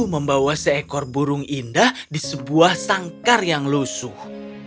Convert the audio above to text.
membawa seekor burung indah di sebuah sangkar yang lusuh